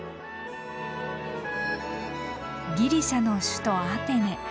ギリシャの首都アテネ。